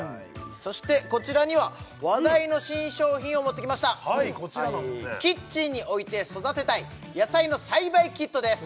そしてこちらには話題の新商品を持ってきましたキッチンに置いて育てたい野菜の栽培キットです